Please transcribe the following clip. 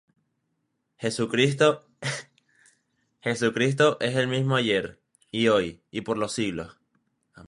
Jesucristo es el mismo ayer, y hoy, y por los siglos.